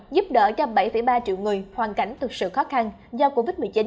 giúp đỡ cho bảy ba triệu người hoàn cảnh thực sự khó khăn do covid một mươi chín